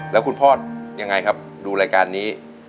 แล้วคุณพ่อยังไงครับดูรายการนี้